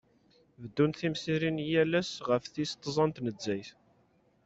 Beddunt temsirin yal ass ɣef tis tẓa n tnezzayt.